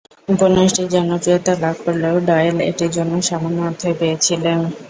উপন্যাসটি জনপ্রিয়তা লাভ করলেও ডয়েল এটির জন্য সামান্য অর্থই পেয়েছিলেন।